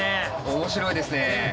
面白いですね。